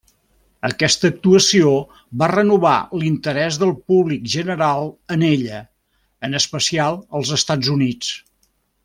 Aquesta actuació va renovar l'interès del públic general en ella, en especial als Estats Units.